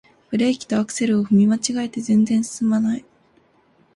ブレーキとアクセルを踏み間違えて全然すすまない